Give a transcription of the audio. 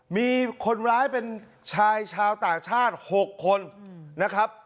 มีคนร้ายเป็นชายชาวต่างชาติ๖คนนะครับ